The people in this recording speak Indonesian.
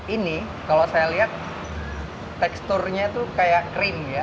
ini kalau saya lihat teksturnya tuh kayak krim ya